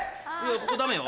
ここダメよ。